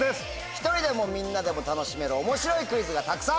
１人でもみんなでも楽しめる面白いクイズがたくさん！